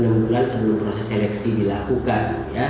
enam bulan sebelum proses seleksi dilakukan